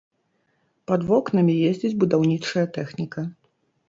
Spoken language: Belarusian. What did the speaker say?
Пад вокнамі ездзіць будаўнічая тэхніка.